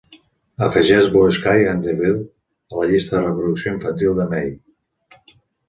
Afegeix "Blue Sky and the Devil" a la llista de reproducció infantil de Mai.